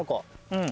うん。